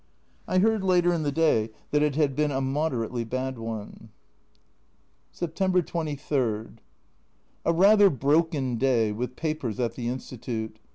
I heard later in the day that it had been a moderately bad one. September 23. A rather broken day with papers at the Institute.